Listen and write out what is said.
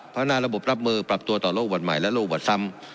พักย่านานระบบรับมือปรับตัวต่อโลกอุบัติใหม่และโลกอุบัติซ้ำ